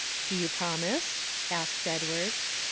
"Do you promise?" asked Edward.